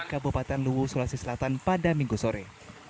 kabupaten luwu sulawesi selatan pada minggu sore